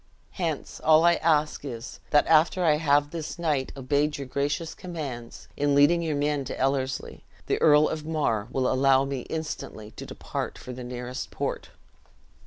Hence, all I ask is, that after I have this night obeyed your gracious commands, in leading your men to Ellerslie, the Earl of Mar will allow me instantly to depart for the nearest port."